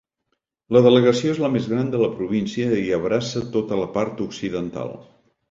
La delegació és la més gran de la província i abraça tota la part occidental.